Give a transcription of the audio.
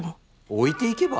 置いていけば？